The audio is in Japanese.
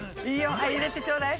はいいれてちょうだい。